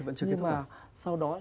nhưng mà sau đó